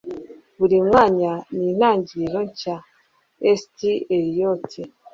Buri mwanya ni intangiriro nshya.” —T.S. Eliot